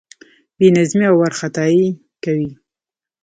بې نظمي او وارخطايي کوي.